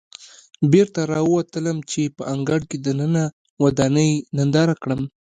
بېرته راووتلم چې په انګړ کې دننه ودانۍ ننداره کړم.